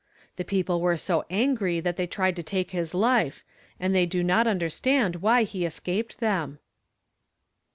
The people were so angry that they tried to take his life, and they do not understand why he escaped them."